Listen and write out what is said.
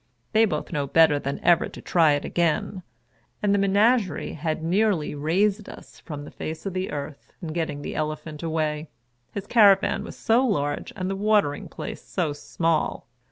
They both know better than ever to try it again ; and the Menagerie had nearly razed us from the face of the earth in getting the elephant away — his caravan was so large, and the Watering Place so small.